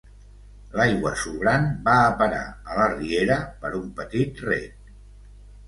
L'aigua sobrant va a parar a la riera per un petit rec.